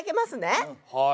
はい。